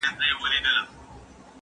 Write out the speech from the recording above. هغه څوک چي قلم کاروي پوهه زياتوي!!